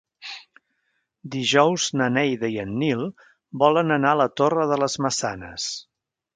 Dijous na Neida i en Nil volen anar a la Torre de les Maçanes.